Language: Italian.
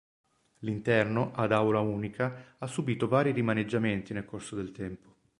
L'interno, ad aula unica, ha subito vari rimaneggiamenti nel corso del tempo.